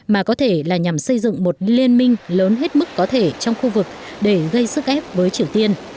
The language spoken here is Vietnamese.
mà có thể là nhằm xây dựng một liên minh lớn hết mức có thể trong khu vực để gây sức ép với triều tiên